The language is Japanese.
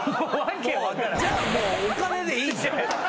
じゃあもうお金でいいじゃん。